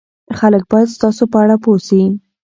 خلک باید ستاسو په اړه پوه شي.